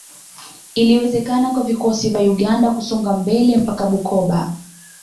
Iliwezekana kwa vikosi vya Uganda kusonga mbele mpaka Bukoba